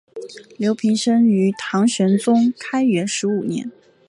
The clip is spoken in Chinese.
刘怦生于唐玄宗开元十五年。